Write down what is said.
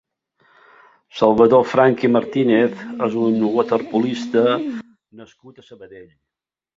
Salvador Franch i Martínez és un waterpolista nascut a Sabadell.